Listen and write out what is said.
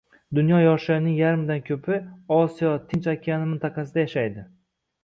Dunyo yoshlarining yarmidan koʻpi Osiyo-Tinch okeani mintaqasida yashaydi.